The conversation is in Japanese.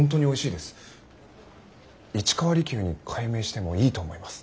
市川利休に改名してもいいと思います。